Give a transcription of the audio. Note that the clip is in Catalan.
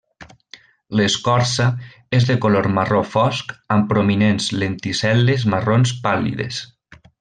L'escorça és de color marró fosc amb prominents lenticel·les marrons pàl·lides.